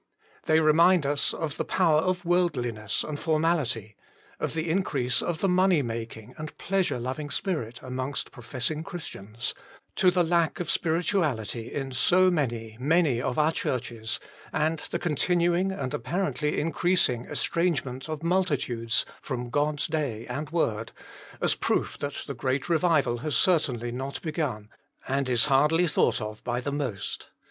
They remind us of the power of worldliness and formality, of the increase of the money making and pleasure loving spirit among professing Christians, to the lack of spirituality in so many, many of our churches, and the continuing and apparently increasing estrangement of multitudes from God s Day and Word, as proof that the great revival has certainly 182 THE MINISTRY OF INTERCESSION not begun, and is hardly thought of by the most.